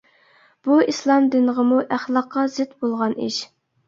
بۇ ئىسلام دىنغىمۇ ئەخلاققا زىت بولغان ئىش.